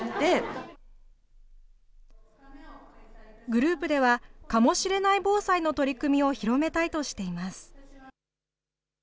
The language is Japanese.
グループでは、かもしれない防災の取り組みを広めたいとしています。